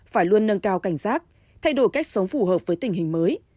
phải luôn nâng cao cảnh giác thay đổi cách sống phù hợp với tình hình mới